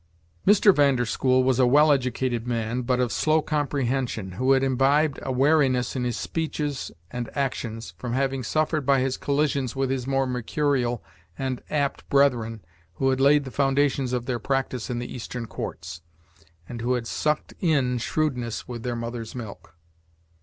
Mr. Van der School was a well educated man, but of slow comprehension, who had imbibed a wariness in his speeches and actions, from having suffered by his collisions with his more mercurial and apt brethren who had laid the foundations of their practice in the Eastern courts, and who had sucked in shrewdness with their mother's milk.